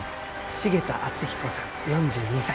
繁田篤彦さん４２歳。